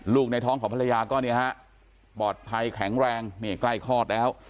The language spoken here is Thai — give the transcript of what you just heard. ในท้องของภรรยาก็เนี่ยฮะปลอดภัยแข็งแรงนี่ใกล้คลอดแล้ว